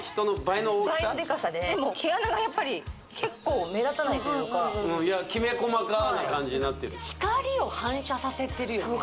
倍のデカさででも毛穴がやっぱり結構目立たないというかきめ細かな感じになってる光を反射させてるよね